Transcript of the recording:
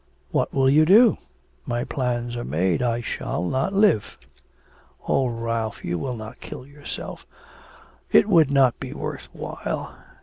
'What will you do?' 'My plans are made. I shall not live.' 'Oh, Ralph, you will not kill yourself. It would not be worth while.